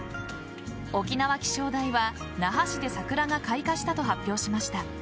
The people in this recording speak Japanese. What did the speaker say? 沖縄気象台は那覇市で桜が開花したと発表しました。